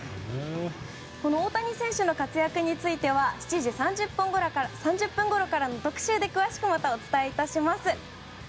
大谷選手の活躍については７時３０分ごろからの特集で詳しくまたお伝えいたします。